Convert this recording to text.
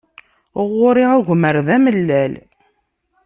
Ɣur-i agmer d amellal.